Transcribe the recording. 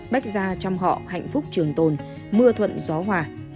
bách gia chăm họ hạnh phúc trường tồn mưa thuận gió hòa